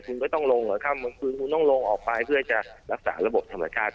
คุณก็ต้องลงเหรอค่ำกลางคืนคุณต้องลงออกไปเพื่อจะรักษาระบบธรรมชาติ